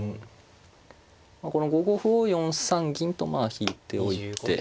この５五歩を４三銀とまあ引いておいて。